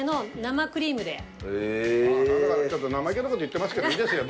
ちょっと生意気な事言ってますけどいいですよ